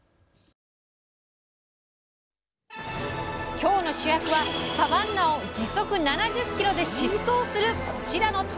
今日の主役はサバンナを時速７０キロで疾走するこちらの鳥。